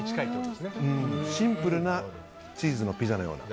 シンプルなチーズのピザのような。